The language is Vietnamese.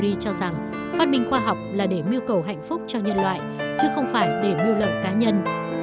paris cho rằng phát minh khoa học là để mưu cầu hạnh phúc cho nhân loại chứ không phải để mưu lợi cá nhân